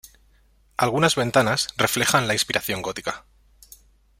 Algunas ventanas reflejan la inspiración gótica.